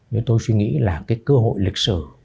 nên tôi suy nghĩ là cái cơ hội lịch sử